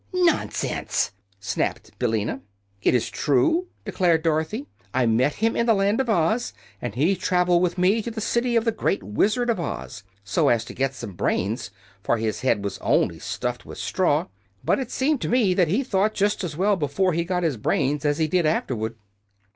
"Nonsense!" snapped Billina. "It is true," declared Dorothy. "I met him in the Land of Oz, and he traveled with me to the city of the great Wizard of Oz, so as to get some brains, for his head was only stuffed with straw. But it seemed to me that he thought just as well before he got his brains as he did afterward."